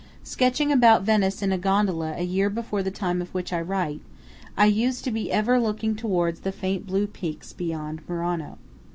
Sketching about Venice in a gondola a year before the time of which I write, I used to be ever looking towards the faint blue peaks beyond Murano.